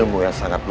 mas rasha tunggu